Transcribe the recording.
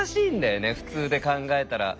普通で考えたら。